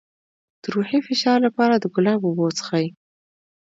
د روحي فشار لپاره د ګلاب اوبه وڅښئ